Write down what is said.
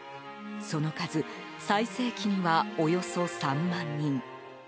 その数、最盛期にはおよそ３万人。